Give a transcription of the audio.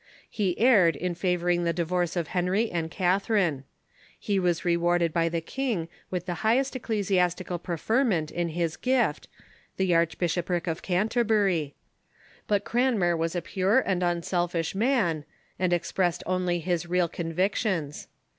He erred in favoring the divorce of Henry and Catharine, lie was rewarded by the king with the highest ecclesiastical preferment in his gift, the archbishopric of Canterbury, But Cranmer was a pure and unselfish man, and expressed only his real convic tions.